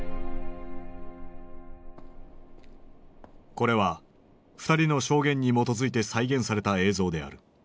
これは２人の証言に基づいて再現された映像である。